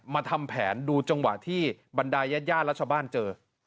ทำแผนดูจังหวะที่บรรดายญาติญาติและชาวบ้านเจอ